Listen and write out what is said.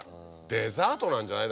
デザートなんじゃない？